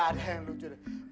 ada yang lucu deh